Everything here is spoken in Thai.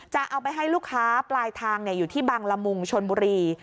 จะเอาไปให้ลูกค้าปลายทางอยู่ที่บังละมุงชนบุรี